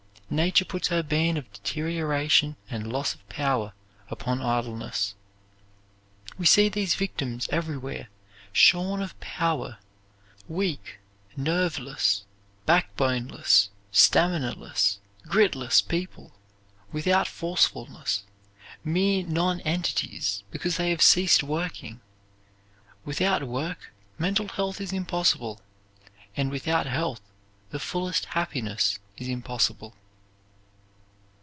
Nature puts her ban of deterioration and loss of power upon idleness. We see these victims everywhere shorn of power weak, nerveless, backboneless, staminaless, gritless people, without forcefulness, mere nonentities because they have ceased working. Without work mental health is impossible and without health the fullest happiness is impossible.